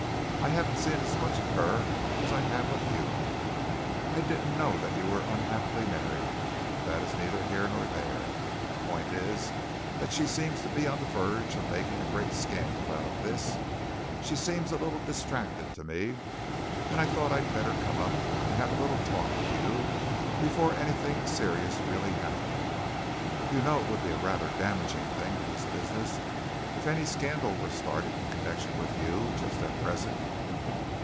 I haven't seen as much of her as I have of you. I didn't know that you were unhappily married, but that is neither here nor there. The point is, that she seems to be on the verge of making a great scandal out of this she seems a little distracted to me and I thought I'd better come up and have a little talk with you before anything serious really happened. You know it would be a rather damaging thing to this business if any scandal were started in connection with you just at present."